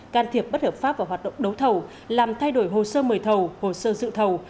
can thiệp bất hợp pháp vào hoạt động đấu thầu làm thay đổi hồ sơ mời thầu hồ sơ dự thầu